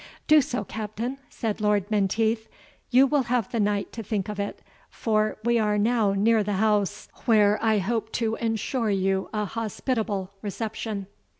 "Do so, Captain," said Lord Menteith; "you will have the night to think of it, for we are now near the house, where I hope to ensure you a hospitable reception."